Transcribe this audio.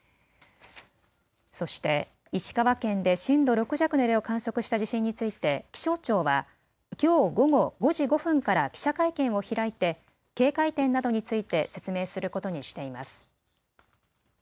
そして石川県で震度６弱の揺れを観測した地震について気象庁はきょう午後５時５分から記者会見を開いて警戒点などについて説明することにしています。